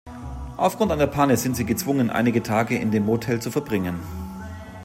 Aufgrund einer Panne sind sie gezwungen einige Tage in dem Motel zu verbringen.